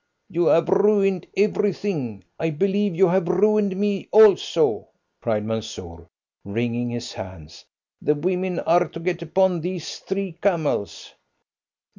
"You have ruined everything. I believe you have ruined me also!" cried Mansoor, wringing his hands. "The women are to get upon these three camels."